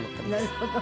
なるほど。